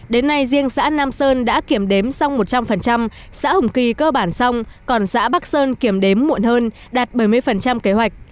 đến nay riêng xã nam sơn đã kiểm đếm xong một trăm linh xã hồng kỳ cơ bản xong còn xã bắc sơn kiểm đếm muộn hơn đạt bảy mươi kế hoạch